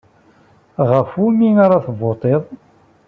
Ɣef wumi ara tevuṭiḍ?